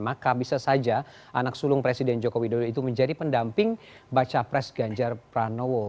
maka bisa saja anak sulung presiden joko widodo itu menjadi pendamping baca pres ganjar pranowo